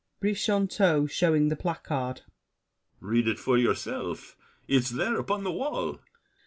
BRICHANTEAU (showing the placard). Read it for yourself. It's there, Upon the wall.